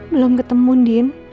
belum ketemu din